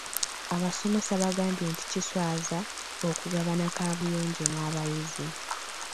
Abasomesa baagambye nti kiswaza okugabana kaabuyonjo n'abayizi.